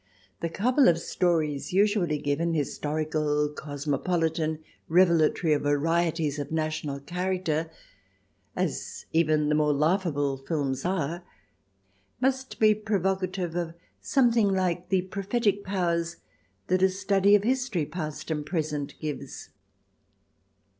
The couple of stories usually given — historical, cosmopolitan, revelatory of varieties of national character, as even the more laughable films are — must be provocative of something like the prophetic powers that a study of history, past and present, gives.